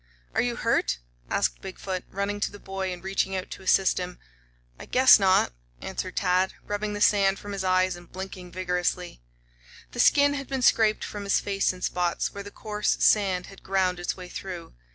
"Are you hurt?" asked Big foot, running to the boy and reaching out to assist him. "I guess not," answered Tad, rubbing the sand from his eyes and blinking vigorously. The skin had been scraped from his face in spots where the coarse sand had ground its way through.